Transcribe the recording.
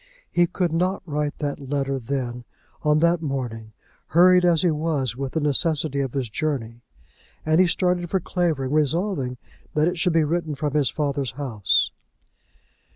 He could not write that letter then, on that morning, hurried as he was with the necessity of his journey; and he started for Clavering resolving that it should be written from his father's house.